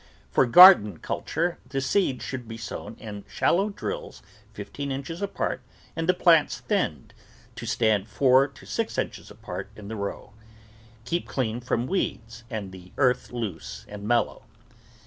For garden culture, the seed should be sown in shallow drills fifteen inches apart and the plants thinned to stand four to six inches apart in the row. Keep clean from weeds and the earth loose and mellow.